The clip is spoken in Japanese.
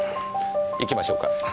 行きましょうか。